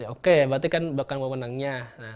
oke berarti kan wawonangnya